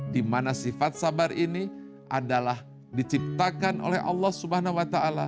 dimana sifat sabar ini adalah diciptakan oleh allah swt